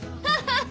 ・ハハハ！